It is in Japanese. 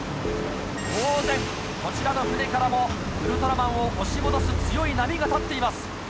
当然こちらの船からもウルトラマンを押し戻す強い波が立っています。